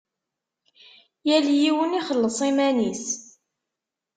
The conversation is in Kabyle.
Yal yiwen ixelleṣ iman-is.